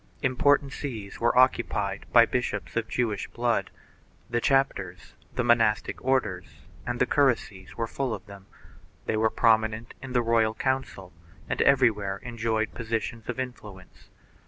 Im portant sees were occupied by bishops of Jewish blood; the chapters, the monastic orders and the curacies were full of them ; they were prominent in the royal council and everywhere enjoyed positions of influence.